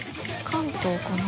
関東かな？